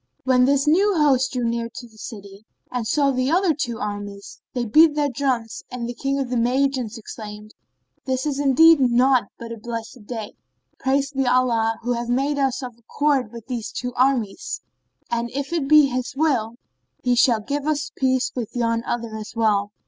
When this new host drew near the city and saw the two other armies, they beat their drums and the King of the Magians exclaimed, "This is indeed naught but a blessed day. Praised be Allah who hath made us of accord with these two armies; and if it be His will, He shall give us peace with yon other as well."